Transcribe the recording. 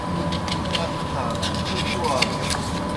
اَقّہا تُوْ کُدِیو آلوئے۔